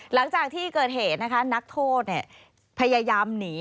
หลังจากที่เกิดเหตุนะคะนักโทษพยายามหนี